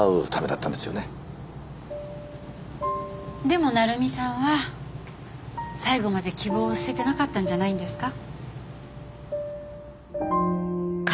でも成実さんは最後まで希望を捨ててなかったんじゃないんですか？